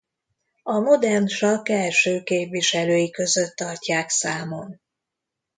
A modern sakk első képviselői között tartják számon.